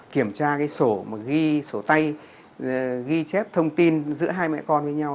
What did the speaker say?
kiểm tra cái sổ ghi sổ tay ghi chép thông tin giữa hai mẹ con với nhau